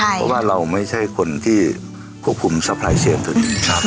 เพราะว่าเราไม่ใช่คนที่ขอบคุมซับไพรเซียนถึง